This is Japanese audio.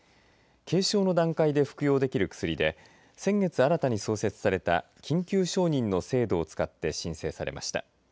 軽症の段階で服用できる薬で先月、新たに創設された緊急承認の制度を使って申請されました。